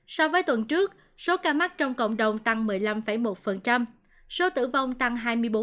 so với tuần trước số ca mắc trong cộng đồng tăng một mươi năm một số tử vong tăng hai mươi bốn